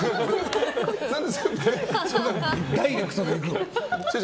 何でダイレクトでいくの。